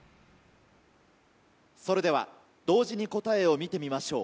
それでは同時に答えを見てみましょう。